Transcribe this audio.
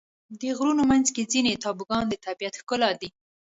د غرونو منځ کې ځینې ټاپوګان د طبیعت ښکلا دي.